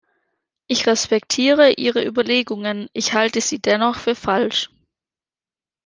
Ich respektiere Ihre Überlegungen, ich halte sie dennoch für falsch.